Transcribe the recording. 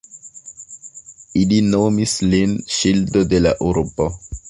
Ili nomis lin "ŝildo de la urbo".